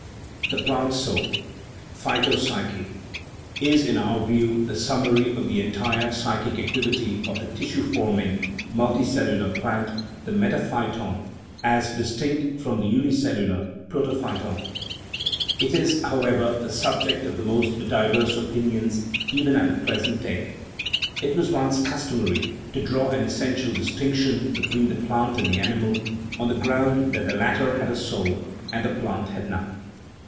The plant soul (phytopsyche) is, in our view, the summary of the entire psychic activity of the tissue forming, multicellular plant (the metaphyton, as dis tinct from the unicellular protophyton) ; it is, however, the subject of the most diverse opinions even at the present day. It was once customary to draw an essen tial distinction between the plant and the animal, on the ground that the latter had a " soul " and the plant had none.